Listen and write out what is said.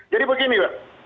jadi begini pak